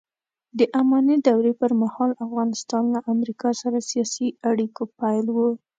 د اماني دورې پرمهال افغانستان له امریکا سره سیاسي اړیکو پیل و